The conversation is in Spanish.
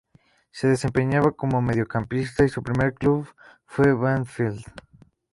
Se desempeñaba como mediocampista y su primer club fue Banfield.